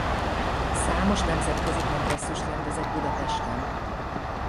Számos nemzetközi kongresszust rendezett Budapesten.